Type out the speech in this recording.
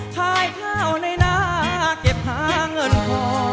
ท้ายเท้าในหน้าเก็บหาเงินขอ